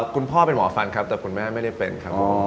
คุณพ่อเป็นหมอฟันครับแต่คุณแม่ไม่ได้เป็นครับ